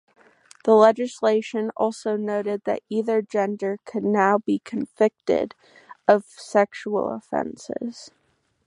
The legislation also noted that either gender could now be convicted of sexual offences.